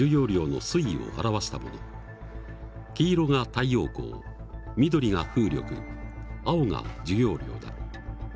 黄色が太陽光緑が風力青が需要量だ。